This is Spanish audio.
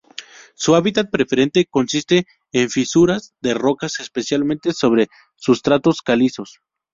Su hábitat preferente consiste en fisuras de rocas, especialmente sobre sustratos calizos.